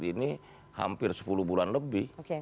ini hampir sepuluh bulan lebih